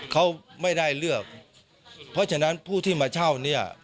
เขาไม่ได้เลือกเพราะฉะนั้นผู้ที่มาเช่าเนี่ย